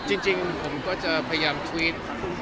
เอ่อก็จะเล่นจริงผมก็จะพยายามทวิต